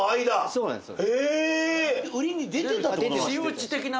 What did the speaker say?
そうなんですよ。